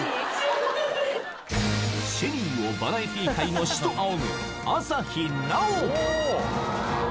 ＳＨＥＬＬＹをバラエティー界の師と仰ぐ朝日奈央